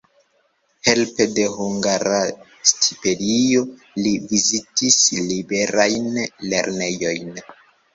Helpe de hungara stipendio li vizitis liberajn lernejojn.